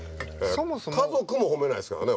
家族も褒めないですからね